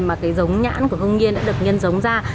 mà cái giống nhãn của hương nghiên đã được nhân giống ra